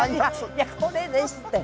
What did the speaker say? いやこれですって。